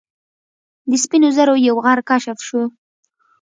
د سپین زرو یو غر کشف شو.